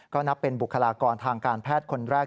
ก็นับเป็นบุคลากรทางการแพทย์คนแรก